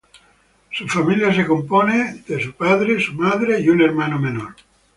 Su familia se compone de su padre, madre y un hermano menor.